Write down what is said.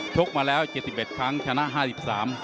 ชกมาแล้ว๗๑ครั้งชนะ๕๓